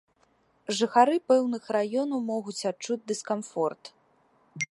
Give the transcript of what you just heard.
Жыхары пэўных раёнаў могуць адчуць дыскамфорт.